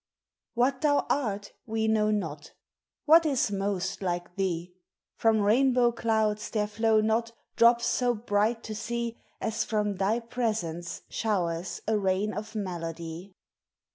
What thou art we know not; What is most like thee? From rainbow clouds there flow not Drops so bright to see, As from thy presence showers a rain of melody.